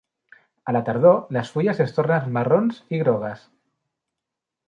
A la tardor, les fulles es tornen marrons i grogues.